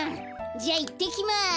じゃいってきます。